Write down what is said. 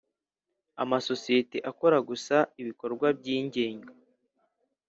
Amasosiyete akora gusa ibikorwa byingenga